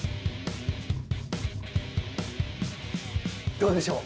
どうでしょう？